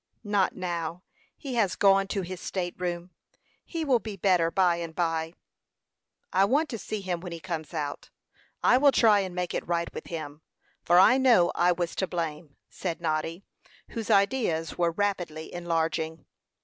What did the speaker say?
"Not now; he has gone to his state room. He will be better by and by." "I want to see him when he comes out. I will try and make it right with him, for I know I was to blame," said Noddy, whose ideas were rapidly enlarging.